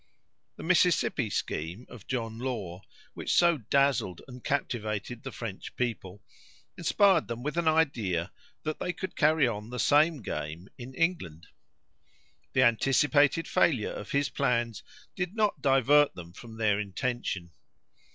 The Mississippi scheme of John Law, which so dazzled and captivated the French people, inspired them with an idea that they could carry on the same game in England. The anticipated failure of his plans did not divert them from their intention.